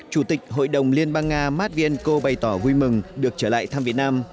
chủ tịch hội đồng liên bang nga mát viên cô bày tỏ vui mừng được trở lại thăm việt nam